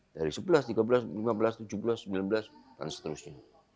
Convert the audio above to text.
dari sebelas tiga belas lima belas tujuh belas sembilan belas dan seterusnya